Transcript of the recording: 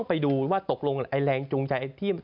ไปดูว่าตกลงไอ้แรงจูงใจที่